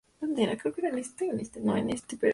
La madre de Stewart le enseñó a cocinar y a coser.